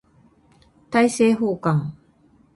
大政奉還